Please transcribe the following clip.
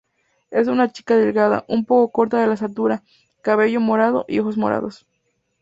Es una chica delgada, un poco corta de estatura, cabello morado y ojos morados.